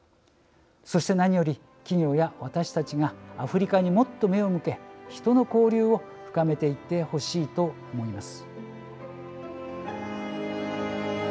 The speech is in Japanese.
そして何より企業や私たちがアフリカにもっと目を向け人の交流を深めていってほしいと思います。